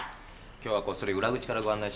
今日はこっそり裏口からご案内します。